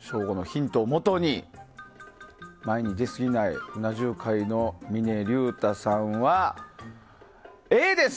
省吾のヒントをもとに前に出すぎないうな重界の峰竜太さんはＡです。